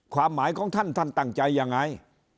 ความหมายของท่านท่านตั้งใจยังไง